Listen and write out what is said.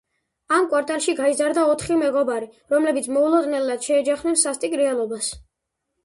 ამ კვარტალში გაიზარდა ოთხი მეგობარი, რომლებიც მოულოდნელად შეეჯახნენ სასტიკ რეალობას.